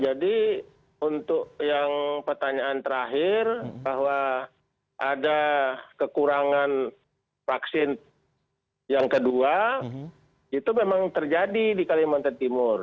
jadi untuk yang pertanyaan terakhir bahwa ada kekurangan vaksin yang kedua itu memang terjadi di kalimantan timur